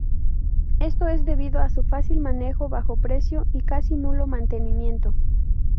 Esto es debido a su fácil manejo, bajo precio y casi nulo mantenimiento.